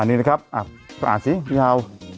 อ่านนี้นะครับอ่านสิพี่เฮา